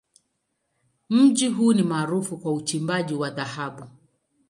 Mji huu ni maarufu kwa uchimbaji wa dhahabu.